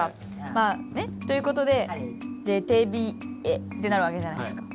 まあね。ということで「れてびｅ」ってなるわけじゃないですか。